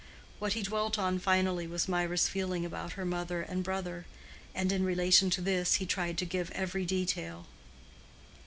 What he dwelt on finally was Mirah's feeling about her mother and brother; and in relation to this he tried to give every detail.